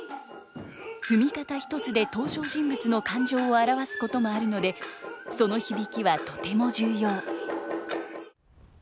踏み方一つで登場人物の感情を表すこともあるのでその響きはとても重要。